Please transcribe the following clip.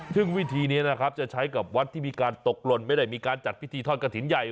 ซึ่งวิธีนี้นะครับจะใช้กับวัดที่มีการตกหล่นไม่ได้มีการจัดพิธีทอดกระถิ่นใหญ่